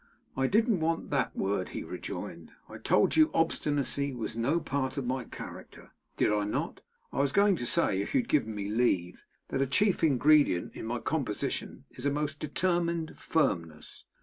'I didn't want that word,' he rejoined. 'I told you obstinacy was no part of my character, did I not? I was going to say, if you had given me leave, that a chief ingredient in my composition is a most determined firmness.